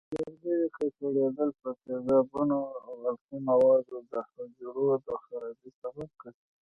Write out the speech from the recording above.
د لرګیو ککړېدل په تیزابونو او القلي موادو د حجرو د خرابۍ سبب ګرځي.